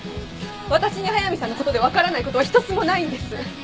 私に速見さんのことで分からないことは一つもないんです。